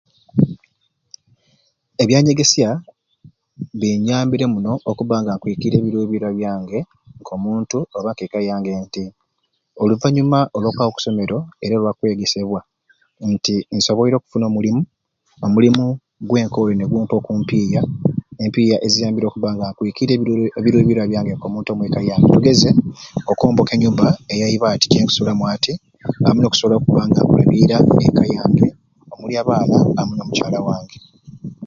Ebyanyegesya binyambire muno okubanga nkwikiirya ebirubirwa byange nk'omuntu oba nke ekka yange nti oluvanyuma olwa kwaba oku someero era olwa kwegesebwa nti nsoboire okufuna omulimu, omulimu gwenkore nigumpa oku mpiya, empiya eziyambire okubba nga nkwikiirya ebirubirwa byange nk'omuntu omwekka yange tugeze okwomboka enyumba eyaibati jenkusulamu ati amwei nokusobola okubba nga nkulabira ekka yange omuli abaana amwei no mukyala wange.